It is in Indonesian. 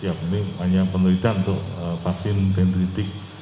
ya ini hanya penelitian untuk vaksin dendritik